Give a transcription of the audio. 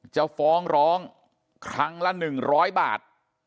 จะฟ้องร้องครั้งละ๑๐๐บาท